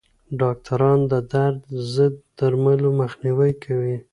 ډاکټران د درد ضد درملو مخنیوی کوي.